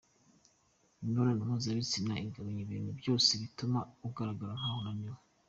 Imibonano mpuzabitsina igabanya ibintu byose bituma ugaragara nkaho unaniwe.